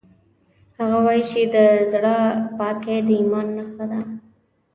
هغه وایي چې د زړه پاکۍ د ایمان نښه ده